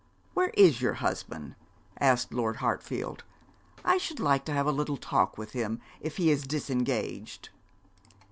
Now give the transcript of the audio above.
'Where is your husband?' asked Lord Hartfield; 'I should like to have a little talk with him, if he is disengaged.'